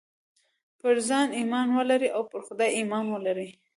پر ځان ايمان ولرئ او پر خدای ايمان ولرئ.